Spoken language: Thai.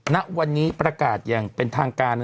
ณวันนี้ประกาศอย่างเป็นทางการ